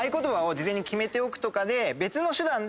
別の手段で。